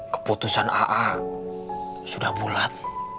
keputusan a'a sudah bulat